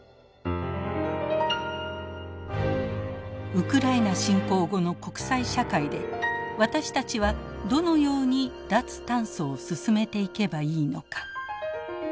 ウクライナ侵攻後の国際社会で私たちはどのように脱炭素を進めていけばいいのか。